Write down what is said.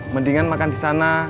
mendingan makan di sana